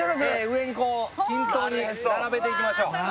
上に均等に並べていきましょう